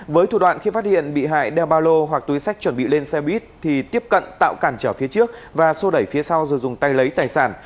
với thủ đoạn khi phát hiện bị hại đeo ba lô hoặc túi sách chuẩn bị lên xe buýt thì tiếp cận tạo cản trở phía trước và xô đẩy phía sau rồi dùng tay lấy tài sản